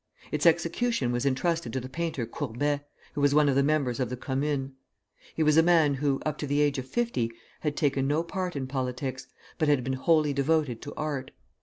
Its execution was intrusted to the painter Courbet, who was one of the members of the Commune. He was a man who, up to the age of fifty, had taken no part in politics, but had been wholly devoted to art.